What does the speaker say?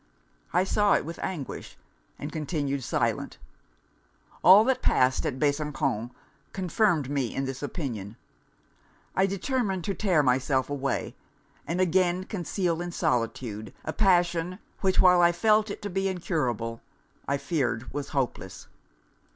I saw it with anguish, and continued silent. All that passed at Besançon confirmed me in this opinion. I determined to tear myself away, and again conceal in solitude a passion, which, while I felt it to be incurable, I feared was hopeless.